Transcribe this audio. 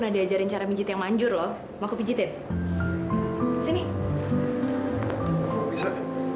mbak tadi tuh aku cuma